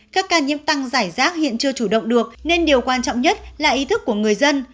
các ca nhiễm tăng giải rác hiện chưa chủ động được nên điều quan trọng nhất là ý thức của người dân